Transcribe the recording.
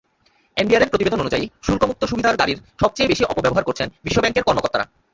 এনবিআরের প্রতিবেদন অনুযায়ী, শুল্কমুক্ত সুবিধার গাড়ির সবচেয়ে বেশি অপব্যবহার করেছেন বিশ্বব্যাংকের কর্মকর্তারা।